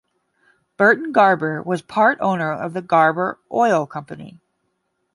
Burton Garber was part-owner of the Garber Oil Company.